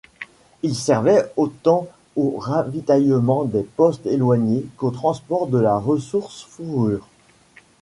Il servait autant au ravitaillement des postes éloignés qu'au transport de la ressource fourrure.